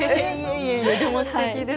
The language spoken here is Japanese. いえいえ、でもすてきです。